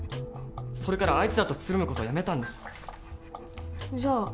それからあいつらとつるむことをやめたんですじゃあ